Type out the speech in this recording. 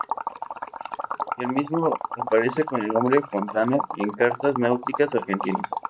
El mismo aparece con el nombre "Fontana" en cartas náuticas argentinas.